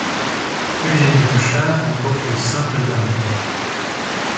Eugenie Bouchard remporte le simple dames.